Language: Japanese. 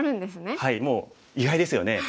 はいもう意外ですよね。